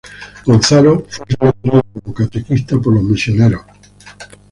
Gonzalo fue seleccionado como catequista por los misioneros jesuitas.